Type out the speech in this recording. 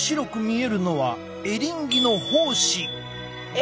え！